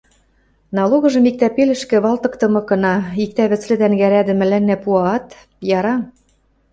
Налогыжым иктӓ пелӹшкӹ валтыктымыкына, иктӓ вӹцлӹ тӓнгӓ рӓдӹ мӓлӓннӓ пуаат, яра...